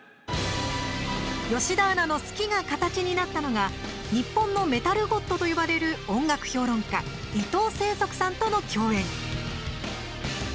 吉田アナの好きが形になったのが日本のメタルゴッドと呼ばれる音楽評論家伊藤正則さんとの共演。